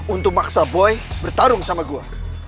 untuk maksa boy bertarung sama gue